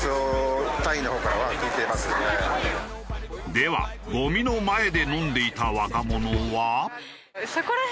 ではゴミの前で飲んでいた若者は。